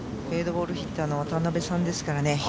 フェードボールヒッターの渡邉さんですからね。